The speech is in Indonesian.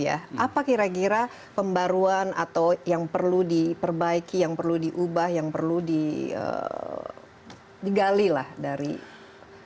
apa kira kira pembaruan atau yang perlu diperbaiki yang perlu diubah yang perlu digali lah dari pemerintah